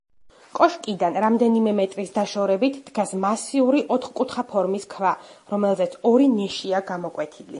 კოშკიდან რამდენიმე მეტრის დაშორებით დგას მასიური ოთხკუთხა ფორმის ქვა, რომელზეც ორი ნიშია გამოკვეთილი.